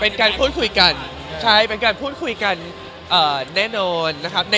เป็นการพูดคุยกันใช่เป็นการพูดคุยกันแน่นอนนะครับ